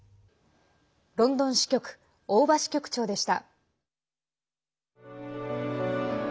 ロンドン支局大庭支局長でした。